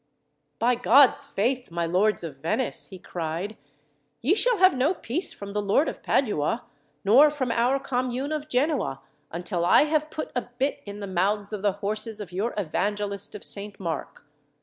"By God's faith, my lords of Venice," he cried, "ye shall have no peace from the Lord of Padua, nor from our commune of Genoa, until I have put a bit in the mouths of the horses of your evangelist of Saint Mark.